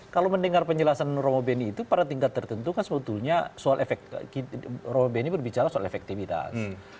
kalau mendengar penjelasan romo beni itu pada tingkat tertentu kan sebetulnya soal efek romo beni berbicara soal efektivitas